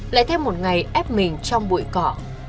lại thêm một ngày ép mình trong bụi cỏ